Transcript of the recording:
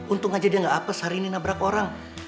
untung aja dia nggak apes hari ini nabrak orang